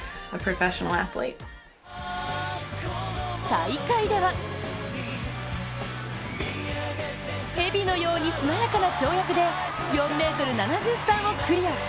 大会では蛇のようなしなやかな跳躍で４ｍ７３をクリア。